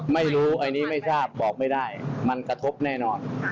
ไม่รู้อันนี้ไม่ทราบบอกไม่ได้มันกระทบแน่นอน